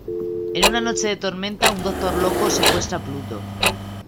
En una noche de tormenta, un Doctor Loco secuestra a Pluto.